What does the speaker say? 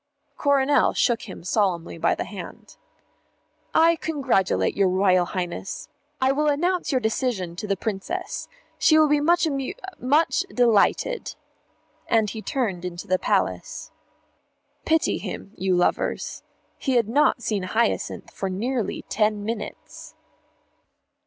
Coronel shook him solemnly by the hand. "I congratulate your Royal Highness. I will announce your decision to the Princess. She will be much amu much delighted." And he turned into the Palace. Pity him, you lovers. He had not seen Hyacinth for nearly ten minutes.